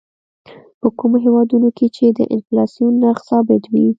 په کومو هېوادونو کې چې د انفلاسیون نرخ ثابت وي.